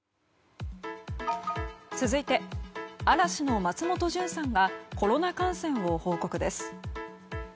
続いて、嵐の松本潤さんがコロナ感染を報告です。